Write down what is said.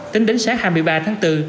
tính đến sáng hai mươi ba tháng bốn